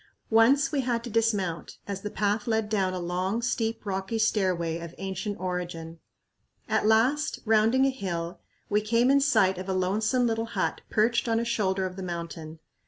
Once we had to dismount, as the path led down a long, steep, rocky stairway of ancient origin. At last, rounding a hill, we came in sight of a lonesome little hut perched on a shoulder of the mountain.